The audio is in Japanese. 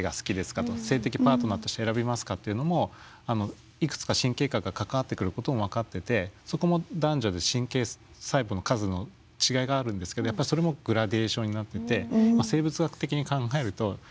性的パートナーとして選びますかっていうのもいくつか神経核が関わってくることも分かっててそこも男女で神経細胞の数の違いがあるんですけどやっぱりそれもグラデーションになっててそうなんですよね。